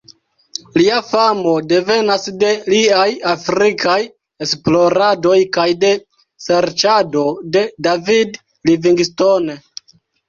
Lia famo devenas de liaj afrikaj esploradoj kaj de serĉado de David Livingstone.